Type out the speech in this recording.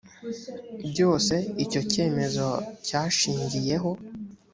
byose icyo cyemezo cyashingiyeho